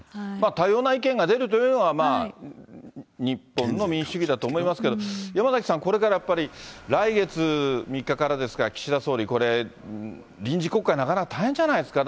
多様な意見が出るというのは、日本の民主主義だと思いますけれども、山崎さん、これからやっぱり、来月３日からですか、岸田総理、これ臨時国会、なかなか大変じゃないですか？